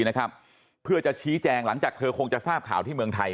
นะครับเพื่อจะชี้แจงหลังจากเธอคงจะทราบข่าวที่เมืองไทย